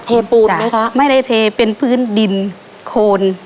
ปูนไหมคะไม่ได้เทเป็นพื้นดินโคน